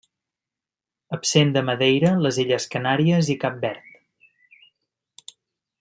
Absent de Madeira, les Illes Canàries i Cap Verd.